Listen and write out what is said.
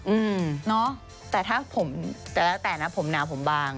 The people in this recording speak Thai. อืมเนอะแต่ถ้าผมแต่แล้วแต่นะผมหนาวผมบาง